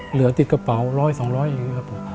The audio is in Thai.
เหลือติดกระเป๋าร้อยสองร้อยอย่างนี้ครับผม